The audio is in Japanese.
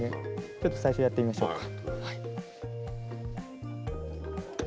ちょっと最初やってみましょうか。